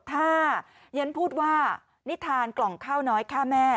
ถ้าฉันพูดว่านิทานกล่องข้าวน้อยฆ่าแม่